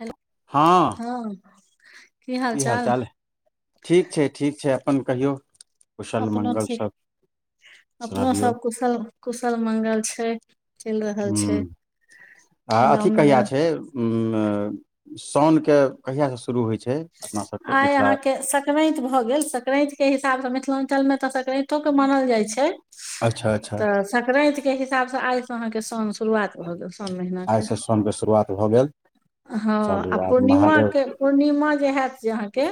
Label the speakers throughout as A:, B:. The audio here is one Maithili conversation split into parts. A: हेलो।
B: हँ।
A: हँ।
B: की हाल चाल अइ? ठीक छै- ठीक छै अपन कहियौ। कुशल
A: अपनो
B: मङ्गल सब सुनाबियौ।
A: कुशल-कुशल मंगल छैय।
B: हुं आ अथी
A: गाम
B: कहिया
A: नगर
B: छैय? उम्म साउनके कहिया स शुरू होइ छैय अपना सबके मिथिला
A: रइत भ गेल सकरैंत के हिसाब स मिथिलांचलमे त सकरैंत के मानल जाय छैय
B: अच्छा अच्छा
A: त संकरैंतके हिसाब स आइ से अहाँके सौउन शुरुआत भ गेल सौउन महिनाके।
B: आइसँ साउनके शुरुआत भऽ गेल
A: हँ
B: चलू
A: आ
B: आब महादेव
A: पूर्णिमाके पूर्णिमा जे हैत से अहाँके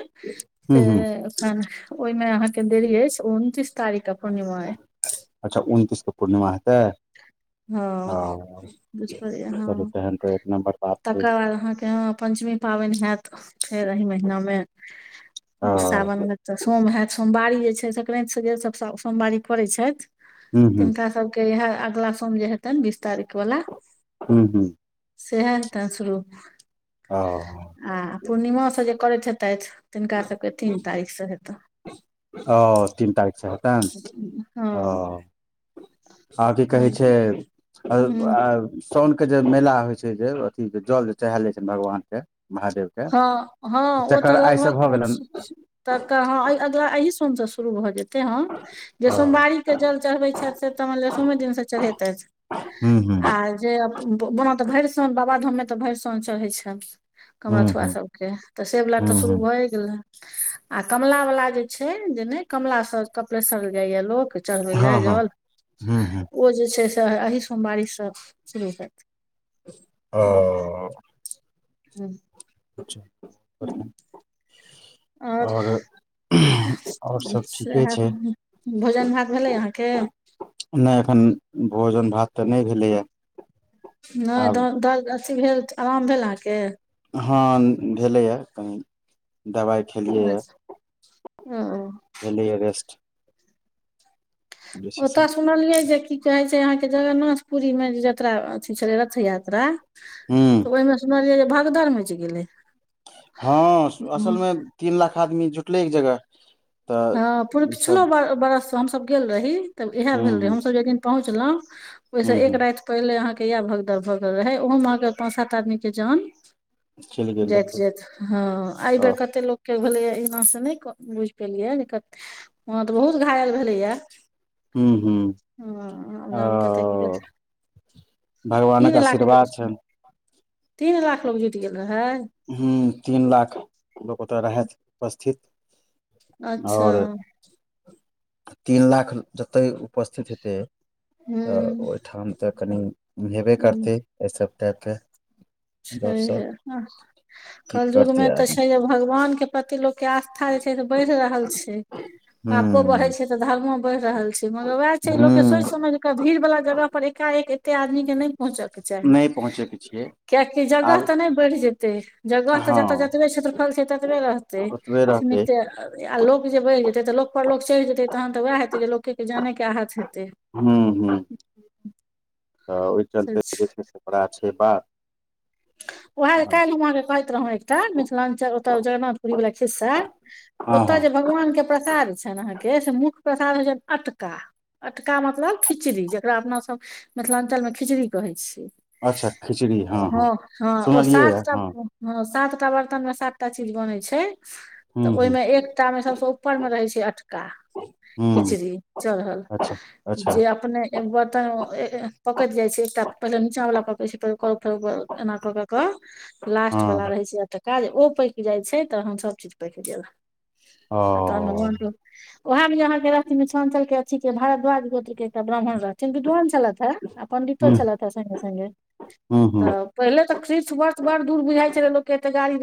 A: से
B: हूँ हूँ
A: अखन ओयमे अहाँके देरी अइछ ओ उनतीस तारिका पूर्णिमा अय।
B: अच्छा उनतीसके पूर्णिमा हेतै। ओ
A: हँ - बुइझ परेयैऽ हँ।
B: नमबर पा-
A: तकर बाद अहाँके हं पञ्चमी पाबैन हैत फेर एहि महिनामे
B: ओ
A: सावन में तऽ सोम हैत सोमवारी जे छै से सक्रान्तिसँ जे सभ सोमवारी करै छैथ
B: हूँ हूँ
A: तिनकासब के इहैऽ अगला सोम जे हेतैन बीस तारीख वला
B: हूँ -हूँ-
A: सैहे त शुरु।
B: हं।
A: आ पूर्णिमासँ जे करैत हेतैथ तिनका सभके तीन तारीखसँ हेतहं
B: ओ तीन तारीखसँ हतैन ओ
A: हँ
B: आ की कहै छै,
A: ह
B: आ-आ- सौन के जे मेला होइ छै जे अथी के जल जे चढ़ैल जाय छैन भगवान के, महादेव के
A: हँ हँ ओ तऽ
B: तकर आइ से
A: लगभग
B: भऽ गेलनि
A: [unintelligible] तऽ कहा अगिला एहि सोम से शुरू भऽ जेत ते हम। जे सोमवारीक के जल चढ़बैत छैथ से तऽ मैन लिय सोमे दिनसँ चढ़ेैतैथ।
B: हूं- हूं-
A: आ जे [unintelligible] त भैरसोन बाबा धाम मे तऽ भरिसोन चढ़य छैन।
B: हूँ
A: कमऽरथुआ
B: हूँ
A: सबके के। तऽ सेबला तऽ
B: हूँ
A: शुरू
B: हूँ
A: भएऽ गेले। आ कमला वला जे छै, जे नय कमला स कपलेसर जाययैऽ लोक चढ़बै
B: हँ
A: लय
B: हँ
A: जल,
B: हूँ हूँ
A: ओ जे छै से अही सोमवारीसँ शुरू हैत। हम्म,
B: अ-
A: [unintelligible]
B: [unintelligible]
A: [unintelligible]
B: औरऽ
A: [unintelligible] सैह। [unintelligible] भोजन भात भेलै अहाँके?
B: नय एख्खन भोजन भात तऽ नय भेलैयैऽ।
A: नय [unintelligible] अथी भेल? अराम भेल अहाँके?
B: हँ [unintelligible] भेलैयैऽ कनी, दवाइ
A: अच्- ओ-
B: भेलैयैऽ रेस्ट। जे छै से
A: ओतऽ सुनलियै जे की कहै छै अहाँके जगरनाथ पुरीमे जे जत्रा अथी छलै रथ जात्रा
B: हूँ
A: ओय मे सुनलियै जे भगदर मैइच गेलै।
B: हँ। असलमे तीन लाख आदमी जुटलै एक जगह तऽ
A: हँ
B: ई सब
A: पूर-पिछलो बरस हमसब गेल रही, तब इहै
B: हुं
A: भेल रहे
B: हुं
A: हमसब जय दिन पहुँचलहुं, ओयस
B: हुं
A: एक
B: हुं
A: रागत पहिले अहाँके यैह भगदर भगेल रहै, ओहोमे अहाँके पाँच -सात आदमीके जान
B: चलि गेल
A: जाइत
B: रहै
A: -जाइत, हँ
B: ओ
A: अयबेर कत्ते लोकके भेलैयै एनासँ नयक- बुइझ केलिये जे कत्। हं तऽ बहुत घायल भेलैयैऽ।
B: हूं-हूं
A: हं- जन कत्त कीजे
B: भगवानक
A: तीन लाख
B: आशीर्वाद छनि
A: [unintelligible] तीन लाख लोक जुइट गेल रहै?
B: हुं, तीन लाख लोक ओत रहैथ उपस्थित।
A: अच्छा
B: अओर तीन लाख जतय उपस्थित हेतै, तऽ
A: हूँ
B: ओहिठाम त कनि हेबे करतै। एहि सब टाइप के गप सप
A: छैहे
B: की
A: कलयुगमे
B: करतै
A: तऽ
B: आदमी
A: छै जे, भगवानके प्रति लोकके आस्था जे छै से बढ़ि रहल छै। पाप बढ़ै
B: हुं
A: छै त धर्मो बढ़ रहल छै, मगर वएह छै लोको के
B: हुं
A: सोइच-समझ क भीड़ वला जगह पर एकाएक एते आदमी के नहि पहुंचके चाही।
B: पिछियै
A: कियाकि जगह तऽ नहि बढ़ि जेतै। जगह तऽ
B: हँ
A: जतऽ जतबे क्षेत्रफल छै, ततबे रहतै से
B: ओतबे रहतै
A: सिमिते आ लोक जे बढ़ि जेतै, तऽ लोकपर लोक चढ़ि जेतै तहन तऽ वैएह हेतै जे लोके के जाने के आाहत हेतै।
B: हम्म-हम्म तऽ ओहि चलते जे छै से बड़ा छै बात
A: उएह काल्हि हम अहाँकेँ कहैत रहौं एकटा, मिथिलाञ्चल ओतय जगरनाथपुरी वला खिस्सा।
B: हँ
A: ओतय
B: हँ
A: जे भगवानके प्रसाद छनि अहाँके, मुख्य प्रसाद होइ छनि अटका। अटका मतलब खिचड़ी, जकरा अपनासभ मिथिलांञ्चलमे खिचड़ी कहै छियै।
B: अच्छा खिचड़ी
A: हँ
B: हँ-हँ
A: हँ ओ
B: सुनलियै
A: सातटा
B: हँ
A: हँ सात टा बर्तन मे सातटा चीज बनै छै। तऽ
B: हूँ हूँ
A: ओहिमे एकटा मे सभसँ ऊपर मे रहै छै अटका।
B: हूँ
A: खिचड़ी चढ़ल
B: अच्छा अच्छा
A: जे अपने एक बर्तन पकैत जाइ छै, एकटा पहिले नीचावला पके छै फेर ओकर फेर ओकर। एना कऽ कऽक, लास्ट वाला
B: हँ
A: रहै छै। तऽ काज ओ पैकि जाइ छै, तऽ हमन सभचीज पैकि देब
B: हाँ
A: भगवान के ओहै में जेौ रहथीन मिथलांचल के अथी के भारद्वाज गोट के एकटा ब्राम्हण रहैथीन विद्धान छलैंथ ए आ पंडितो
B: हूँ
A: छलैथ ए संगे संगे
B: हूँ
A: त
B: हूँ
A: पहिले तऽ तीर्थ वर्ष बड़ दूर बुझाई छै ल लोकग के एते गाड़ी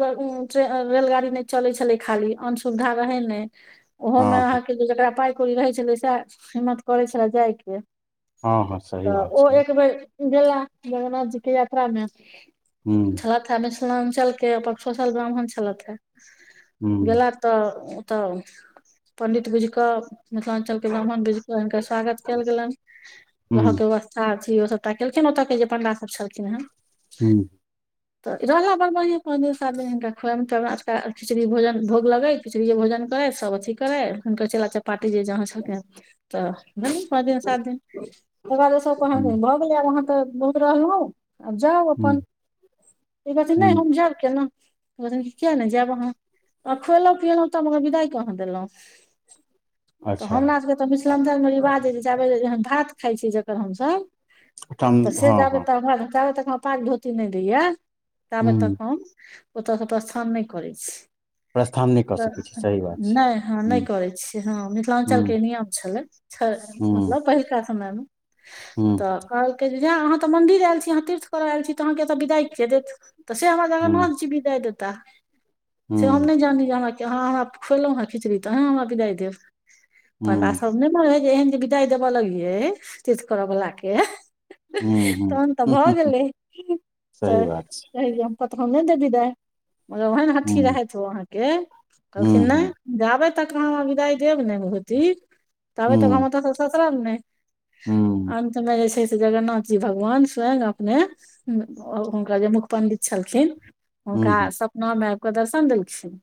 A: रेलगाड़ी नहि चलै-छलै खाली आन सुुविधा रहै नहिं ओहोमे
B: हँ हँ
A: अहाँके जे जकरा पाई कौड़ी रहै छलै, सएह हिम्मत करै छले जाय के।
B: हँ हँ सही
A: तऽ
B: बात
A: ओ
B: छै
A: एक बेर गेला जगन्नाथ जी के यात्रामे
B: हूँ
A: थ थैं मिथिलांचल के पकठोसल ब्राह्मण छलथि हैं
B: हूँ
A: गेला तऽ ओतऽ पंडित बुझिकऽ मिथिलांञ्चल ब्राह्मण बुइझ क हुनका स्वागत कैल गेलनि वंहा
B: हूँ
A: के वास् सा्रथी ओ सब ट्राई केलखिन, ओतय के जे पण्डा सब छलखिन हैं।
B: हम्म
A: तऽ रहला बड़ बढ़ियां पाँच दिन, सात दीन मे हिनका खुए मे त राज खिचड़ी भोजन भोग लगै खिचड़िये भोजन करै सब अथी करै, अखन कहै छलै जे पार्टी जे जहाँ छ त पाँच दिन सात दिन तकर बाद ओ सब कहां
B: हूँ
A: नहि आब अहाँ तऽ बहुत रहलहुं। आब जाउ अपन,
B: हूँ
A: ई कहथिन नहि
B: हूँ
A: हम जैब केना। कहथिन कि किया नही जैब अहां, खुएलऊ पियेलऊ त विदाई कहां देलऊ। तऽ
B: अच्छा
A: हमरा सबके तऽ मिथिलांञ्चलमे रिवाज अछि, जाबे जे भात खाइत छी जकर हमसब।
B: ओठाम
A: तऽ से
B: हँ
A: जाबै
B: हँ
A: तऽ हमरा पाग धोती नहि दैए ताबे तक
B: हूँ
A: हम ओतऽ त स्थान नहि करै छी।
B: प्रस्थान नहि कऽ
A: तऽ
B: सकै छी सही बात छै
A: नै हँ नै
B: हूँ
A: करै छियै हँ मिथिलांचल
B: हूँ
A: के नियम छेलै। छ
B: हूँ
A: मतलब पहिलका समय मे।
B: हूँ।
A: तऽ कहलकै जेँ आहाँ तऽ मंन्दिर आयल छी तीर्थ करऽ एल छी तऽ आहाँके तऽ विदाइ किये देत। तऽ से हमरा
B: हूँ
A: इम्हर छी विदा देता से हम
B: हूँ
A: नै जानी जे आहाँ के। हँ हँ खेलौं हे खिचड़ी तहन हमरा बिदाय देब पण्डा
B: हूँ
A: सब। नै मन है एहन जे बिदाइ देबऽ लगियै तीर्थ करऽ बला के-
B: हूँ,
A: तहन तऽ
B: हँ, हूँ।
A: भऽ गेलै
B: सही
A: तऽ।
B: बात छै
A: कहलियै हम पत हम नै देब बिदीय एहेन अथि
B: हूँ
A: रहैथ ओ आहाँ के कहलखिन
B: हूँ
A: नै।
B: हूँ
A: जाबे तक हमरा विदाइ देब नेै धोती ताबे तक हम
B: हूँ
A: ओतसँ ससरब नेै।
B: हूँ
A: अन्तमे जे छै से जगन्नाथ जी भगवान। स्वंय अपने हुनकर जे मुख पण्डित छलथिन
B: हूँ हूँ
A: हुनका सब। नउव मे आइब के दर्शन देलखिन।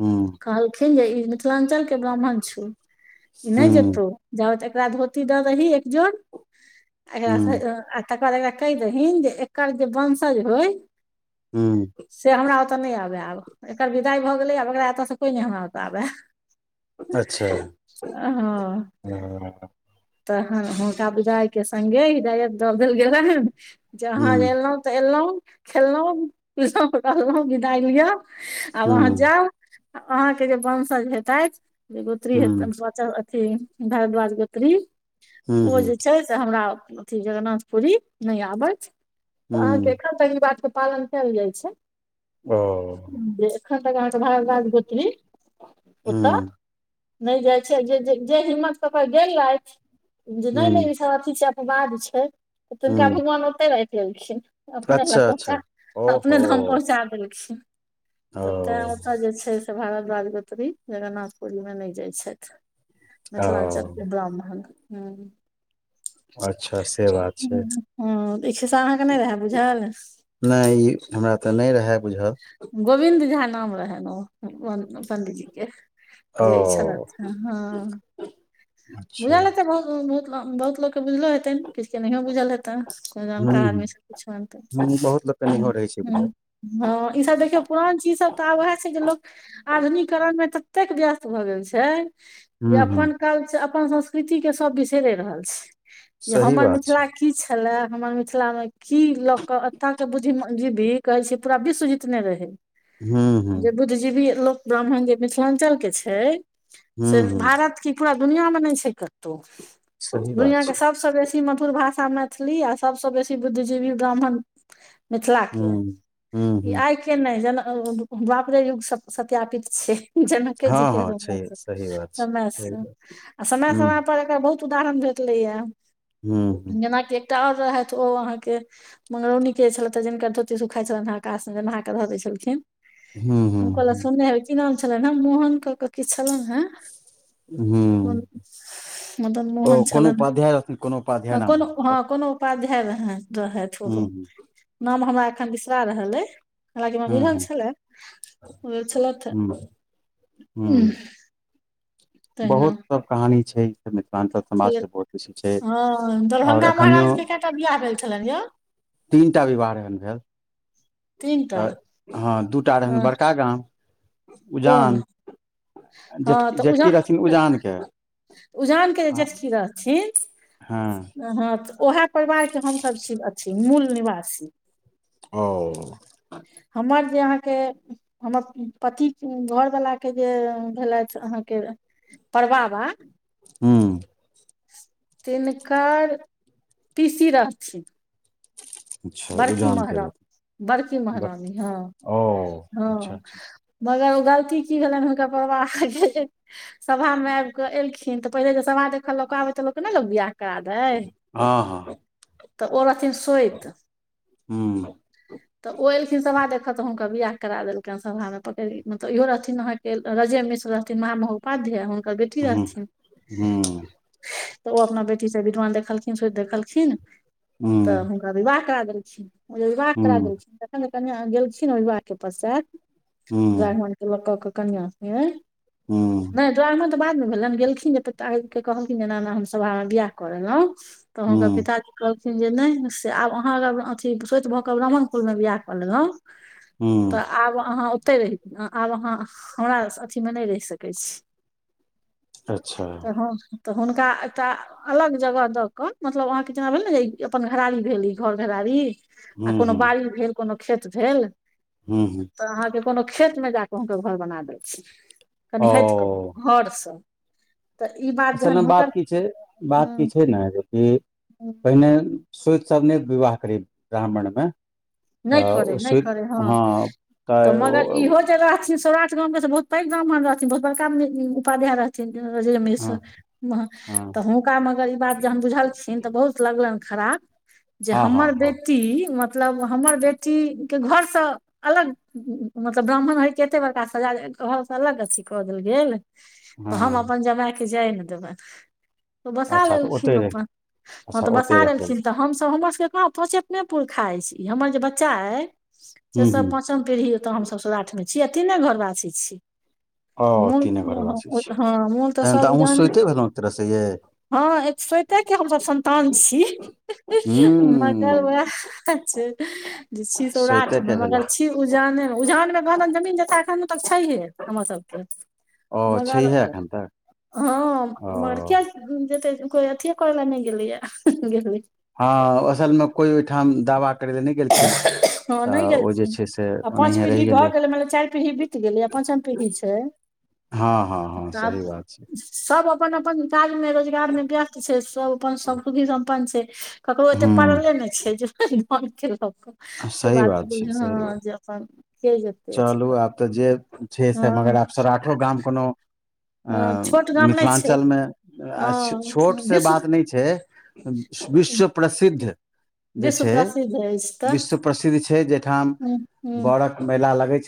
B: हूँ।
A: कहलखिन जे ई मिथिलांचल के ब्राह्मण छौ इ नै
B: हूँ
A: जेतौ। जाउत एकरा धोती दऽ देबही एक जोड़ एकरा।
B: हूँ
A: [unintelligible] [unintelligible] एकरा कैह दहिन जे एकर जे वंशज होय-
B: हूँ।
A: से हमरा ओतऽ नै आबे आब एकर विदाइ भऽ गेलै आब एकरा एतयसँ कोय नै हमरा ओतऽ आबे।
B: अच्छा
A: हँ।
B: हँ
A: तहन हुनका पूजायके संगे डायरेक्ट दऽ देल गेलैन। जहन
B: हुँ
A: एलौ तऽ एलौ खेलौ, पिलौ, रहलौ विदाइ लिअ। आब आहाँ
B: हुँ
A: जाउ आहाँ के जे वंशज हेतैथ जेगोत्री
B: हुँ
A: हेतैन- अथी भरद्वाज गोत्री
B: हुँ
A: ओ
B: हुँ
A: जे छै से हमरा अथि जगरनाथ। पुरहीत नै आबैथ तऽ आहाँके
B: हुँ
A: एखन तक ई बातके पालन केएल जाय छै।
B: ओ-
A: जे एखन तक आहाँके भरद्वाज गोत्री ओतऽ।
B: हुँ
A: नै जाय छै जे, जे, जे हिम्मत कऽ के गेलैथ नै, नै।
B: हुँ
A: अथी छै अपवाद छै तिनका
B: हुँ
A: भगवान ओतेै राइख लेलखिन। अपने लए
B: अच्छा अच्छा
A: पहुँचा
B: ओहो
A: अपने धाम पहुँचा देलखिन। तऽ तैँ
B: ओ
A: ओतऽ जे छै से भारद्वाज गोती जगन्नाथपुरीमे नै जाय छैथ। मिथलांचल
B: ओ
A: के ब्राह्मण हूँ।
B: अच्छा से बात छै
A: हूँ हँ इ खिस्सा आहाँके नै रहए बुझल?
B: नैय ई हमरा तऽ नै रहेए बुझल।
A: गोविन्द झा नाम रहैन ओ-ओ पंण्डीजी के
B: ओ
A: जे छलैथ हेँ हँ।
B: अच्छा
A: बुझल हेतैन बहु -बहुत -बहुत लोक के बुझलो हेतैन किछ के नहियो बुझल हेतैन।
B: हुँ
A: जानकार
B: हुँ
A: आदमी सब किछुनतै
B: हुँ बहुत लोकके नहियो
A: हूँ,
B: रहै छै बुझल
A: हूँ। हँ ई सब देखियौ पुरान चीज सब तऽ आब उएह छै जे लोक- आधुनीकरणमे ततेक व्यस्त भऽ गेल छै। जे
B: हुँ हुँ
A: अपन कल्च अपन संस्कृति के सब बिसैरे रहल छै जे
B: सही
A: हमर
B: बात छै
A: मिथिला - की छेल्ला हमर मिथिला मे की लऽ के एता के बुझी दीदी कहेै छी। पूरा विश्व जितनै रहै
B: हुँ हुँ
A: जे बुद्धजीवी लोक ब्राह्मण जे मिथलांचल के छै से
B: हुँ हुँ
A: भारत की पूरा दुनिया मे नै छै कतो,
B: सही बात
A: दुनिया
B: छै
A: के सब से बेसी मधुर भाषा मैथिली आ सबसे बेसी बुद्धजीवी ब्राह्मण मिथला के।
B: हुँ हुँ
A: ई
B: हुँ
A: आय के नै जेना उम्म द्वापरे युग सप सत्यापित छै। जनके
B: हँ
A: जी के
B: हँ
A: समय
B: छै
A: से
B: सही बात छै
A: समय
B: सही
A: से
B: बात
A: आ
B: हुँ
A: समय-समय पर एकर बहुत उदाहरण भेटले या
B: हुँ हुँ
A: जेना कि एकटा और रहैथ ओ अहाँ के मंगरौनी के छलैथ अय जिनकर धोती सुख आए छलैन अकाश मे जब नहा क ध दै छलखिन
B: हूँ हूँ
A: हम कहलौ
B: हूँ
A: सुनने हेबै। की नाम छलैन हे मोहन क के किछ छलन हे कोन
B: हूँ
A: मदन
B: ओ
A: मोहन
B: कोनो
A: छलन
B: उपाध्याय रहथिन कोनो
A: आ
B: उपाध्याय नाम
A: कोनो
B: रहनि
A: हां
B: हुनकर
A: कोनो उपाध्याय रहैन रहैथ
B: हूँ
A: उहो
B: हूँ
A: नाम हमरा एखन बिसरा रहल अय। हालांकि हमरा बुझल
B: हूँ
A: छलै, बुझल छलथ ए
B: हूँ हूँ
A: ऊंह।
B: हूँ। बहुत सब कहानी छै। मिथलांचल
A: छलै
B: समाज के बहुत बैसी छै
A: हँ
B: और
A: दरभंगा
B: एखनयो
A: महाराजके कएटा बियाह भेल छलनि यौ
B: तीनटा विवाह रहैन भेल।
A: तीन टा
B: तऽ हां दूटा रहैन
A: हँ
B: बड़का गाम उजान। जेठ
A: हां तऽ उजा
B: जेठकी रहथिन
A: अ
B: उजान के
A: उजान के जे जेठकी रहथिन।
B: हां।
A: हां तऽ ओहै परिवार के हम सब छी अथी मूल निवासी।
B: औ।
A: हमर जे अहाँ के हमर पति घर वला के जे उम्म भेलैथ अहाँ के परबाबा
B: हूँ।
A: तिनकर पीसी रहथिन।
B: अच्छा
A: बड़की
B: उजान के
A: महरा,
B: रहथिन
A: बड़की
B: बड़
A: महरानी हां,
B: ओ अच्छा
A: हां।
B: अच्छा
A: मगर उ गलती की भेलैन हुनकर परबाबा के जे सभा मे आएब कऽ एलखिन तऽ पहिले जे सभा देखल लोक आबे तऽ लोक के नै लोक बियाह करा दै
B: हां-हां।
A: तऽ ओ रहथिन सोएत।
B: हूँ।
A: तऽ ओ एलखिन सभा देखऽ तऽ हुनकर बियाह करा देलकैन सभा मे पकड़ मतलब इहो रहथिन अहाँ के रजे मिश्र रहथिन महा महोपाध्याय हुनकर बेटी
B: हूँ
A: रहथिन।
B: हूँ
A: तऽ ओ अपना बेटी से विद्वान देखलखिन, सोएत देखलखिन तऽ
B: हूँ
A: हुनका विवाह करा देलखनि, विवाह करा
B: हूँ
A: देलखिन तखन जे कनिया गेलखिन अय विवाह के पश्चात
B: हूँ
A: दुरागमन के लोकक के कनिया के
B: हूं।
A: नै दुरागमन त बाद मे भेलैन गेलखिन ये ते ता आब के कहलखिन एना-एना हम सभा मे बियाह क लेलौ। तऽ हुनकर
B: हुँ,
A: पिताजी कहलखिन जे नै-नै से आब अहां अहाँ अगर अथी सोएत भऽ कऽ ब्राह्मणकुल मे बियाह क लेलौ
B: हुं।
A: आब अहाँ ओतै रही, आब अहाँ हमरा अथी मे नै रैह सकै छी।
B: अच्छा,
A: तऽ हां। तऽ हुनका एकटा अलग जगह द के मतलब अहाँ के जेना भेल ने ई अपन घरारी भेल ई। घर घेरारी आ
B: हुँ,
A: कोनो बाड़ी भेल, कोनो खेत भेल।
B: हुं- हुं।
A: त अहाँके कोनो खेतमे जाकऽ हुनकर घर बना देलखिन कनि हटि कऽ
B: ओ
A: घर स।
B: असलमे बात की छैय, बात की छैय ने जेकि पहिने सोइत सब नै विवाह करय ब्राह्मणमे त
A: नहि करै
B: ओ
A: नहि
B: सोइत
A: करै
B: हँ त
A: तऽ
B: ओ
A: मगर इहो रहथिन सौराठ गामके से बहुत पैघ ब्राह्मण रहथिन बहुत बड़का इ उपाध्याय रहथिन अजय मिश्र।
B: हँ,
A: ह
B: हँ,
A: त हुनका मगर इ बात जहन बुझलखिन त बहुत लगलैन खराब जे
B: हँ, हँ,
A: हमर
B: हँ,
A: बेटी मतलब हमर बेटी के घरसँ अलग मतलब ब्राह्मण होय के एतेक बड़का सजा घरसँ अलग अथि कऽ देल गेल। त हम
B: हँ,
A: अपन जमाय के जैए नय देबैन। त ओ बसा
B: अच्छा तऽ
A: लेलखिन
B: ओतहि रहि
A: अपन हँ
B: अच्छा
A: त बसा
B: ओतहि राखि
A: लेलखिन
B: देलखिन
A: त हमसभ हमर सबके कहाँ पंचेमे पुरखा अय इ हमर जे बच्चा अय से - से
B: हुँ,
A: सब पां
B: हुँ,
A: पांचम पीढ़ी अतऽ हमसभ सौराठमे छी आ तीने घर वासी छी।
B: ओ
A: मुल
B: तीने
A: हँ
B: घरवासी छी
A: हं मुल त
B: तहन
A: सब
B: तऽ अहूँ
A: उजान
B: सोतिए भेलहुँ एक तरहसँ यै
A: हँ एक सोइते के हमसब संन्तान छी। मगर वएह
B: हुँ,
A: छैय जे छी सौराठमे
B: सोतिएके भेलहुँ
A: [unintelligible] कि उजाने मे, उजानमे कहादन जमीन जथा एखनो तक छैेहे हमर सबके।
B: ओ
A: मगर
B: छैहे एखन तक
A: हँ उम्हर
B: ओ
A: कियाकि जेते कोइ अथिए करयले नै गेलैये गेलै।
B: हँ असलमे कोइ ओयठाम दावा करय लए नै गेलखिन।
A: हँ नै
B: तऽ ओ जे
A: गेलखिन
B: छै से
A: आ पाच
B: ओनाहिए रहि
A: पीढ़ी भऽ गेलै मतलब चाइर पीढ़ी बीत गेलै आ पाँचम पीढ़ी छैय।
B: हँ- हँ- हँ सही बात छैय।
A: सब अपन -अपन काजमे, रोजगारमे व्यस्त छैय। सब अपन समृद्धी सम्पन्न छैय। ककरो एते
B: ह
A: पड़ले नै छै जे के लऽ के से
B: सही
A: बात
B: छै सही
A: बुझलौं
B: बात
A: तखनके जेतै।
B: चलू आब त जे छैय से मगर आब सौराठो गाम कोनो अ
A: छोट गाम नहि छै
B: मिथिलाञ्चलमे आ
A: हँ
B: छोट से
A: विश्व
B: बात नै छैय विश्व प्रसिद्ध जे
A: विश्व
B: छैय
A: प्रसिद्ध अछि तऽ
B: विश्व प्रसिद्ध छैय, जयठाम
A: ह ह
B: बरक मेला लगै छैय